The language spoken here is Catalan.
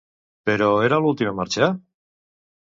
Però era l'últim a marxar?